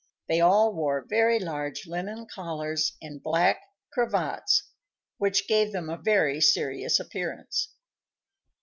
They all wore very large linen collars and black cravats, which gave them a very serious appearance.